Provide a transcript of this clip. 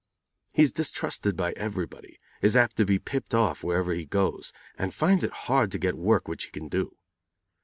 He is distrusted by everybody, is apt to be "piped off" wherever he goes, and finds it hard to get work which he can do.